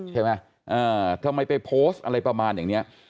ใช่ไหมทำไมไปโพสต์อะไรประมาณอย่างนี้